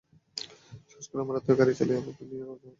সাহস করে আমার আত্মীয় গাড়ি চালিয়ে আমাকে নিয়ে রওনা হলেন সচিবালয়ের দিকে।